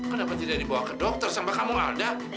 kenapa tidak dibawa ke dokter sama kamu ada